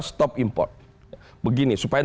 stop import begini supaya